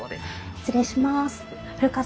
失礼します。